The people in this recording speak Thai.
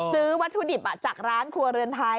ซื้อวัตถุดิบจากร้านครัวเรือนไทย